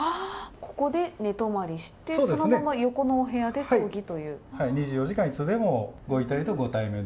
ここで寝泊まりしてそのまま横のお部屋で葬儀という。